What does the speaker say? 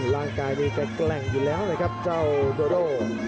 ร่างกายนี่แกร่งอยู่แล้วนะครับเจ้าโดโด